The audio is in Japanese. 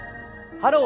「ハロー！